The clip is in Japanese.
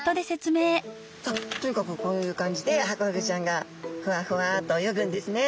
とにかくこういう感じでハコフグちゃんがふわふわと泳ぐんですね。